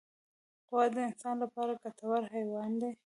غوا د انسان لپاره ګټور حیوان دی.